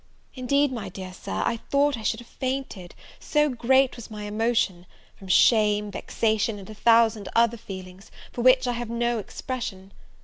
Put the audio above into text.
Indeed, my dear Sir, I thought I should have fainted; so great was my emotion, from shame, vexation, and a thousand other feelings, for which I have no expressions.